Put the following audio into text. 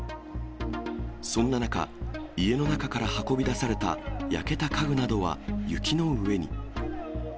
そんな中、家の中から運び出された焼けた家具などは雪の上に。